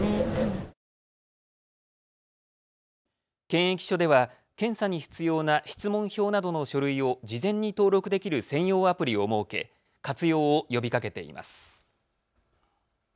検疫所では検査に必要な質問票などの書類を事前に登録できる専用アプリを設け活用を呼びかけています。